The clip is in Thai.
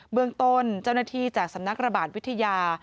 เมืองต้นเจ้าหน้าที่จากสำนักระบาดวิทยา